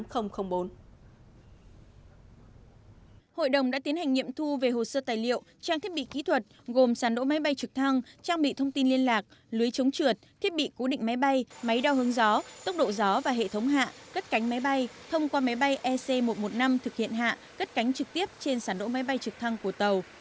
hội đồng đã tiến hành nghiệm thu về hồ sơ tài liệu trang thiết bị kỹ thuật gồm sản đỗ máy bay trực thăng trang bị thông tin liên lạc lưới chống trượt thiết bị cố định máy bay máy đo hướng gió tốc độ gió và hệ thống hạ cất cánh máy bay thông qua máy bay ec một trăm một mươi năm thực hiện hạ cất cánh trực tiếp trên sản đỗ máy bay trực thăng của tàu